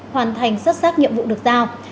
hoàn thành xuất sắc nhiệm vụ được giao